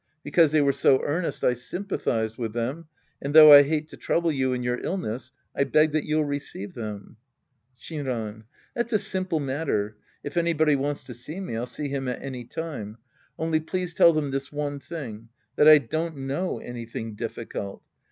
Because they were so earnest, I sym pathized with them, and though I hate to trouble you in your illness, I beg that you'll receive them. Shinran. Tliat's a simple matter. If anybody wants to see me, I'll see him at any time. Only please tell them this one thing, that I don't know any thing difficult.